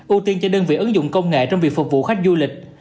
ưu tiên cho đơn vị ứng dụng công nghệ trong việc phục vụ khách du lịch